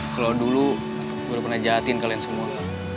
kalau dulu gue udah pernah jahatin kalian semua